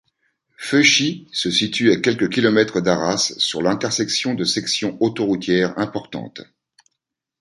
Feuchy se situe à quelques kilomètres d'Arras sur l'intersection de sections autoroutières importantes.